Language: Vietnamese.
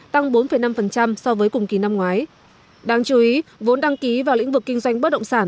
tăng bốn năm so với cùng kỳ năm ngoái đáng chú ý vốn đăng ký vào lĩnh vực kinh doanh bất động sản